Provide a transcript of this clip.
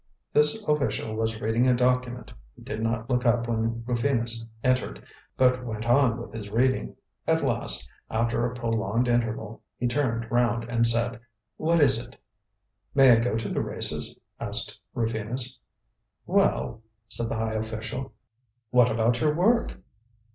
This official was reading a document. He did not look up when Rufinus entered, but went on with his reading. At last, after a prolonged interval, he turned round and said: "What is it?" "May I go to the races?" asked Rufinus. "Well," said the high official, "what about your work?"